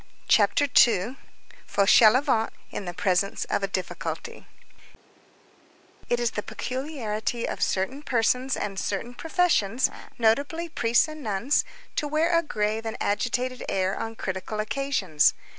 CHAPTER II—FAUCHELEVENT IN THE PRESENCE OF A DIFFICULTY It is the peculiarity of certain persons and certain professions, notably priests and nuns, to wear a grave and agitated air on critical occasions.